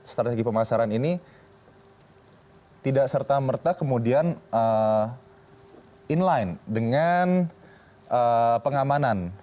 strategi pemasaran ini tidak serta merta kemudian inline dengan pengamanan